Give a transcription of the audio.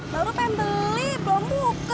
baru pengen beli belum buka